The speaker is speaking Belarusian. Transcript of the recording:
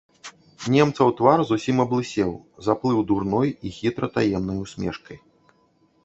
Немцаў твар зусім аблысеў, заплыў дурной і хітра таемнай усмешкай.